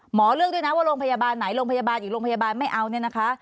หมอเลือกด้วยนะว่าโรงพยาบาลไหนโรงพยาบาลอีกโรงพยาบาลไม่เอาเนี่ยนะคะ